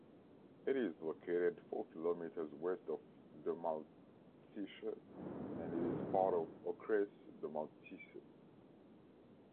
It is located four kilometers west of Domažlice and it is part of Okres Domažlice.